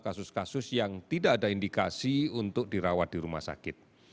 kasus kasus yang tidak ada indikasi untuk dirawat di rumah sakit